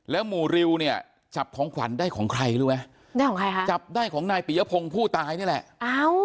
แล้วหมู่ริวเนี่ยจับของขวัญได้ของใครหรือไว้จับได้ของนายปียะพงผู้ตายนี่แหละ